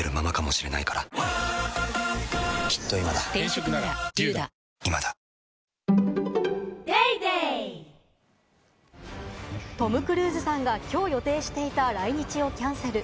ぷはーっトム・クルーズさんがきょう予定していた来日をキャンセル。